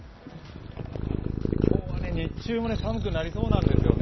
今日は日中も寒くなりそうなんですよね。